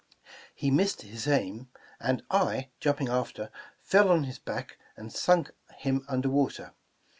He missed his aim, and I, jumping after, fell on his back and sunk him under water.